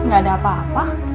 gak ada apa apa